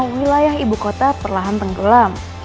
wilayah ibu kota perlahan tenggelam